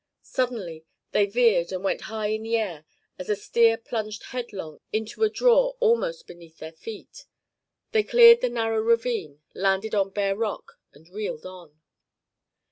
Suddenly they veered and went high in the air, as a steer plunged headlong into a draw almost beneath their feet. They cleared the narrow ravine, landed on bare rock and reeled on.